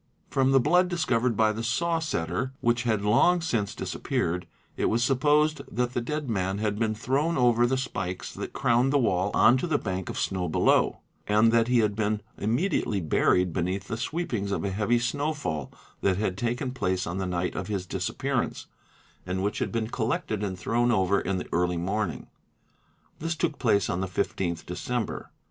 From the blood discovered by the saw setter, which had long since disappeared, it was supposed that the dead man had been thrown over the spikes that crowned the wall on to the bank of snow below, and that he had been immediately buried beneath the 'sweepings of a heavy snowfall that had taken place on the night of his disappearance and which had been collected and thrown over in the early morning. 'This took place on the 15th December.